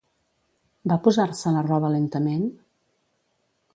Va posar-se la roba lentament?